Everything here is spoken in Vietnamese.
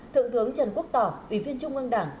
thượng thướng trần quốc tỏ ủy viên trung ương đảng